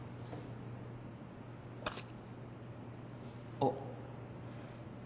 あっ。